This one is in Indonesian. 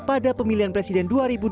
pada pemilihan presiden dua ribu dua puluh